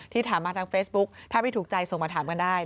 ถามมาทางเฟซบุ๊คถ้าไม่ถูกใจส่งมาถามกันได้